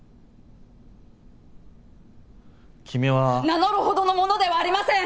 名乗るほどの者ではありません！